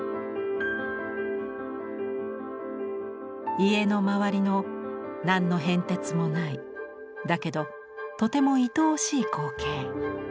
家の周りの何の変哲もないだけどとてもいとおしい光景。